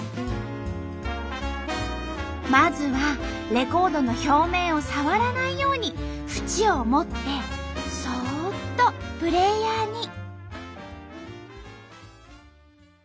まずはレコードの表面を触らないように縁を持ってそっとプレーヤーに。